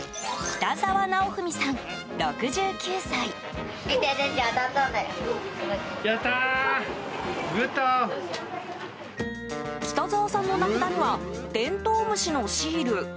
北澤さんの名札にはテントウムシのシール。